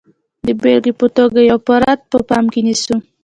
د بېلګې په توګه یو فرد په پام کې نیسو.